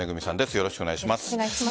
よろしくお願いします。